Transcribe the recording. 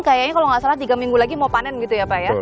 kayaknya kalau nggak salah tiga minggu lagi mau panen gitu ya pak ya